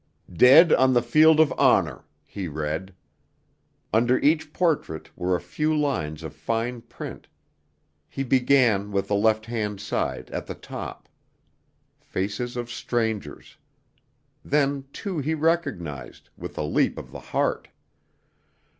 "Dead on the Field of Honor," he read. Under each portrait were a few lines of fine print. He began with the left hand side, at the top. Faces of strangers. Then two he recognized, with a leap of the heart.